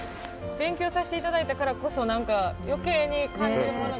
勉強させていただいたからこそ何か余計に感じるものがあります。